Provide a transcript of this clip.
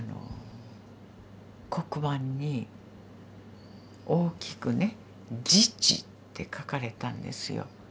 黒板に大きくね「自治」って書かれたんですよ。